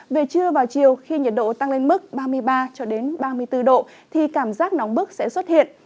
về trưa vào chiều khi nhiệt độ tăng lên mức ba mươi ba ba mươi bốn độ thì cảm giác nóng bức sẽ xuất hiện